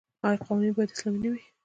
آیا قوانین باید اسلامي نه وي؟